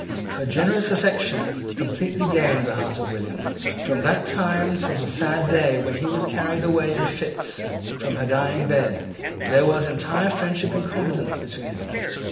Her generous affection completely gained the heart of William. From that time till the sad day when he was carried away in fits from her dying bed, there was entire friendship and confidence between them.